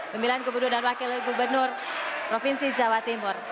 pemilihan gubernur dan wakil gubernur provinsi jawa timur